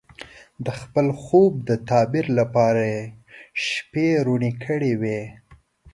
د خپل خوب د تعبیر لپاره یې شپې روڼې کړې وې.